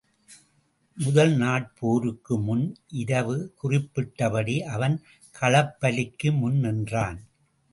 முதல் நாட் போருக்கு முன் இரவு குறிப்பிட்டபடி அவன் களப்பலிக்கு முன் நின்றான்.